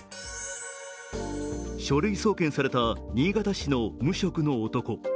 書類送検された新潟市の無職の男。